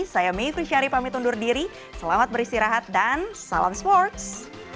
saya mey kusyari pamit undur diri selamat beristirahat dan salam sports